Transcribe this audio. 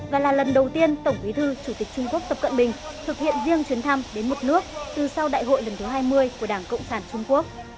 và là lần đầu tiên tổng bí thư chủ tịch trung quốc tập cận bình thực hiện riêng chuyến thăm đến một nước từ sau đại hội lần thứ hai mươi của đảng cộng sản trung quốc